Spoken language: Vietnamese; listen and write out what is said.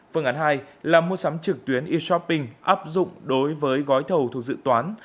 phương án hai là mua sắm trực tuyến e shopping áp dụng đối với gói thầu thuộc dự toán